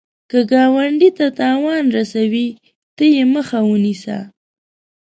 که ګاونډي ته تاوان رسوي، ته یې مخه ونیسه